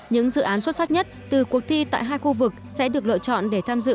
những dự án xuất sắc nhất từ cuộc thi tại hai khu vực sẽ được lựa chọn để tham dự